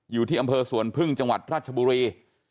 อยู่ที่อำเภอสวนพึ่งจังหวัดราชบุรี